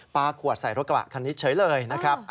ขวดใส่รถกระบะคันนี้เฉยเลยนะครับ